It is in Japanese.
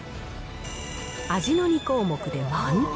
味の２項目で満点。